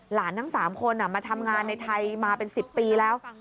ทั้ง๓คนมาทำงานในไทยมาเป็น๑๐ปีแล้ว